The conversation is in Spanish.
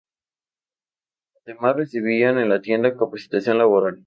Además recibían en la tienda capacitación laboral.